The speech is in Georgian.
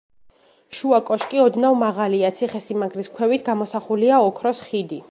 შუა კოშკი ოდნავ მაღალია, ციხე-სიმაგრის ქვევით გამოსახულია ოქროს ხიდი.